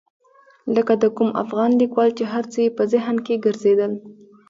لکه د کوم افغان لیکوال چې هر څه یې په ذهن کې ګرځېدل.